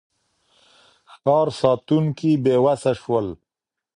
ښار ساتونکي بېوسه شول.